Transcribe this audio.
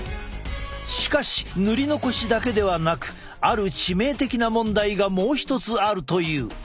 しかし塗り残しだけではなくある致命的な問題がもう一つあるという。